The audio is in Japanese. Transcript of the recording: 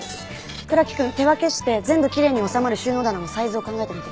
倉木くん手分けして全部きれいに収まる収納棚のサイズを考えてみて。